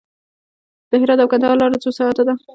د هرات او کندهار لاره څو ساعته ده؟